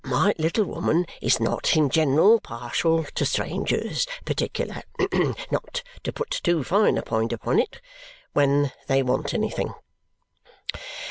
My little woman is not in general partial to strangers, particular not to put too fine a point upon it when they want anything.